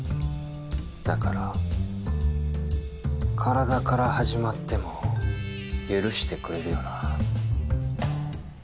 だから体から始まっても許してくれるよな？